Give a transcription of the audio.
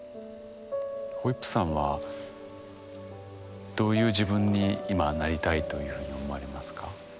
ホイップさんはどういう自分に今はなりたいというふうに思われますか？